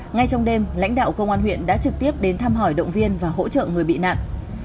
ngay trong đêm lãnh đạo công an huyện đã trực tiếp đến thăm hỏi động viên và hỗ trợ người bị nạn